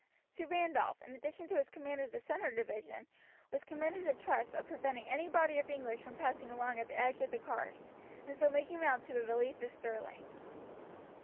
To Randolph, in addition to his command of the centre division, was committed the trust of preventing any body of English from passing along at the edge of the carse, and so making round to the relief of Stirling.